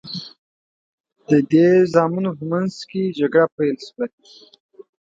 د دې زامنو په منځ کې جګړه پیل شوه.